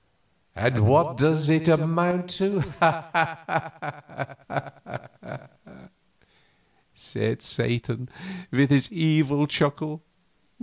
"And what does it amount to?" said Satan, with his evil chuckle.